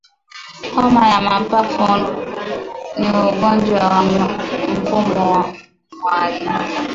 Homa ya mapafu ni ugonjwa wa mfumo wa upumuaji